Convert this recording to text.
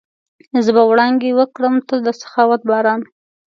زه به وړانګې وکرم، ته د سخاوت باران